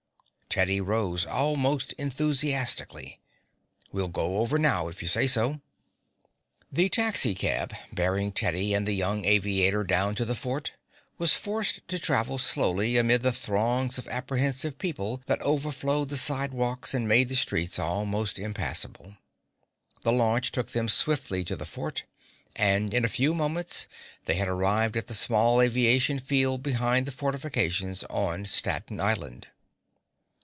Teddy rose almost enthusiastically. "We'll go over now if you say so." The taxicab bearing Teddy and the young aviator down to the fort was forced to travel slowly amid the throngs of apprehensive people that overflowed the sidewalks and made the streets almost impassable. The launch took them swiftly to the fort, and in a few moments they had arrived at the small aviation field behind the fortifications on Staten Island.